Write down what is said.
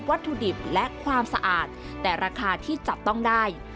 วัตถุดิบและความสะอาดแต่ราคาที่จับต้องได้